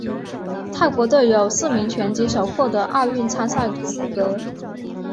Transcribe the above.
泰国队有四名拳击手获得奥运参赛资格。